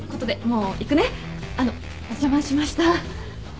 あのお邪魔しました。